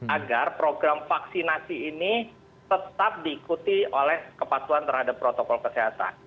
agar program vaksinasi ini tetap diikuti oleh kepatuhan terhadap protokol kesehatan